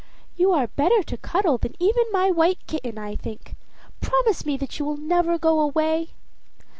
"You are better to cuddle than even my white kitten, I think. Promise me that you will never go away."